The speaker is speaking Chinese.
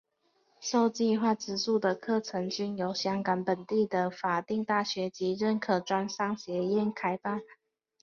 受计划资助的课程均由香港本地的法定大学及认可专上学院开办。